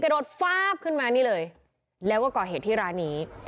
โดดฟาบขึ้นมานี่เลยแล้วก็ก่อเหตุที่ร้านนี้